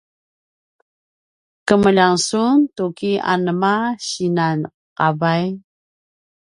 kemljang sun tuki anema sinan qavay?